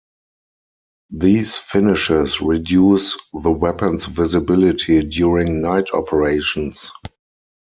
These finishes reduce the weapon's visibility during night operations.